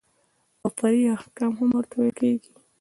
او فرعي احکام هم ورته ويل کېږي.